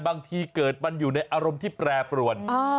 บางทีเกิดมันอยู่ในอารมณ์ที่แปรปรวน